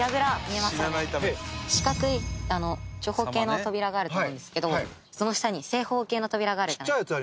四角い長方形の扉があると思うんですけどその下に正方形の扉があるじゃないですか。